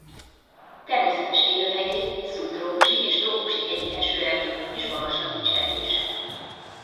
Természetes élőhelyei szubtrópusi és trópusi hegyi esőerdők és magaslati cserjések.